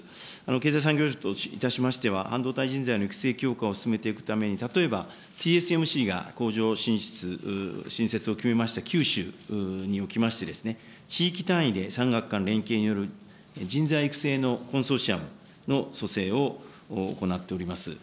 経済産業省といたしましては、半導体人材の育成強化を進めていくために、例えばＴＳＭＣが工場進出、新設を決めました九州におきまして、地域単位で産学官連携による人材育成のコンソーシアムの創成を行っております。